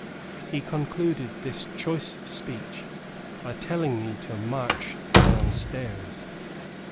He concluded this choice speech by telling me to "march down stairs."